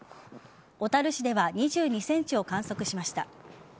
小樽市では２２ｃｍを観測しました。